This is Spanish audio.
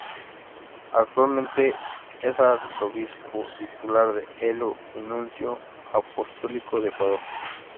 Actualmente es Arzobispo titular de Elo y Nuncio Apostólico de Ecuador.